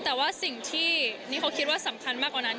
แต่ว่าสิ่งที่นี่เขาคิดว่าสำคัญมากกว่านั้น